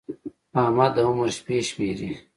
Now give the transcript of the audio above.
احمد د عمر شپې شمېري.